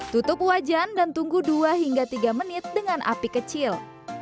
tutup wajan dan tunggu dua hingga tiga menit dengan api kecil